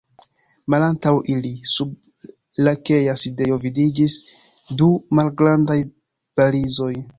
Malantaŭ ili, sub lakea sidejo vidiĝis du malgrandaj valizoj.